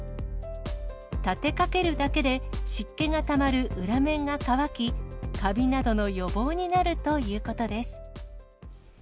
立てかけるだけで、湿気がたまる裏面が乾き、カビなどの予防になるということです。